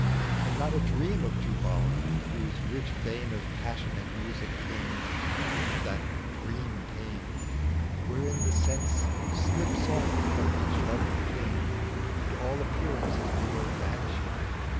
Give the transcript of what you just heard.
And not a dieam ot Jubal, whose rich vein Of passionate musn, came with that dream pain. Wherein the sen=ie thps off from each lo? thing. And all appearance is mere vanishing.